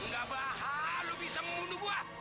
gak bakal lu bisa membunuh gua